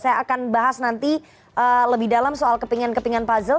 saya akan bahas nanti lebih dalam soal kepingan kepingan puzzle